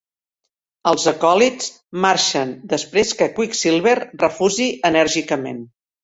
Els acòlits marxen després que Quicksilver refusi enèrgicament.